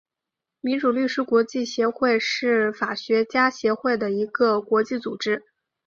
民主律师国际协会是法学家协会的一个国际组织。